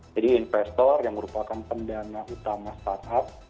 jadi investor yang merupakan pendana utama startup